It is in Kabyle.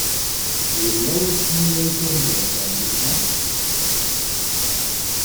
Yella wasmi ay turgaḍ Taninna?